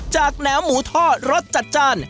จากแนวหมูท่อรสจัดจาน